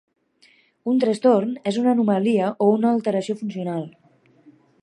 Un trastorn és una anomalia o una alteració funcional.